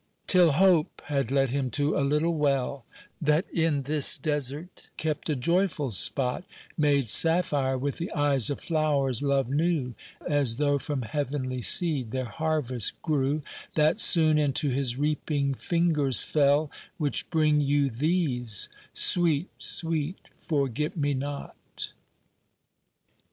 Till Hope had led him to a little well That in this desert kept a joyful spot, Made sapphire with the eyes of flowers Love knew, As though from heavenly seed their harvest grew, That soon into his reaping fingers fell Which bring you these—sweet, sweet FORGET ME NOT.